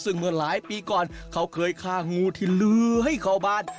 ซึ่งเมื่อหลายปีก่อนเขาเคยฆ่างูที่เลื้อยเข้าบ้าน